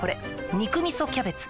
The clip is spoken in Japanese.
「肉みそキャベツ」